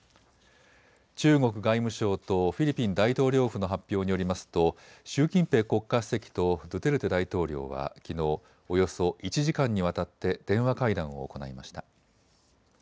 中国外務省とフィリピン大統領府の発表によりますと習近平国家主席とドゥテルテ大統領はきのうおよそ１時間にわたって電話会談を行いました。